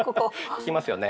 効きますよね。